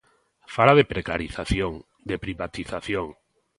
Fala de precarización, de privatización.